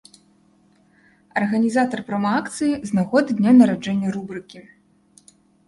Арганізатар прома-акцыі з нагоды дня нараджэння рубрыкі.